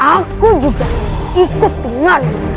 aku juga ikut denganmu